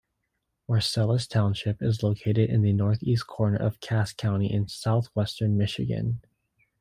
Marcellus Township is located in the northeast corner of Cass County in southwestern Michigan.